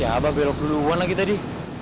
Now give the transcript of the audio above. aduh si abah belok duluan lagi tadi